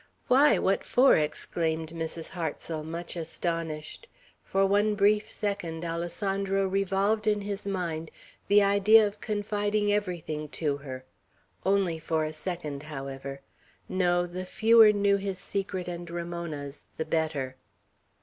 "Why, what for?" exclaimed Mrs. Hartsel, much astonished. For one brief second Alessandro revolved in his mind the idea of confiding everything to her; only for a second, however. No; the fewer knew his secret and Ramona's, the better.